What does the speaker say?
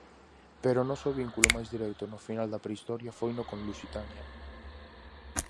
Pero o noso vínculo máis directo no final da prehistoria foino con Lusitania.